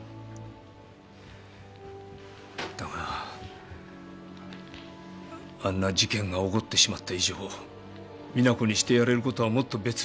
だがあんな事件が起こってしまった以上実那子にしてやれることはもっと別にあると思った。